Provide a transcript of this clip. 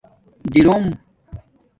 دِرݸم